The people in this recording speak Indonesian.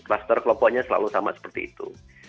kluster kelompoknya selalu sama seperti itu